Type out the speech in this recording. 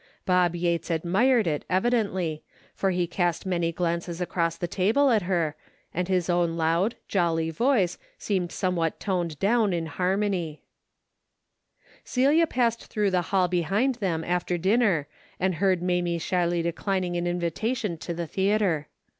Bob Yates admired it evidently, for he cast many glances across the table at her, and his own loud, jolly voice seemed somewhat toned down, in harmony. DAILY RATE! 307 Celia passed through the hall behind them after dinner and heard Mamie shyly declining an invitation to the theatre.